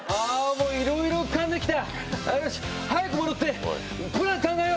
もういろいろ浮かんで来た。